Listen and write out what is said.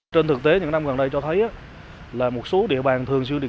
trên thực tế những năm gần đây cho thấy là một số địa bàn thường xuyên